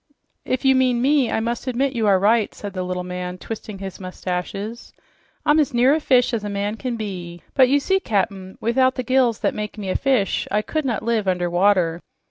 "If you mean me, I must admit you are right," said the little man, twisting his mustache. "I'm as near a fish as a man can be. But you see, Cap'n, without the gills that make me a fish, I could not live under water."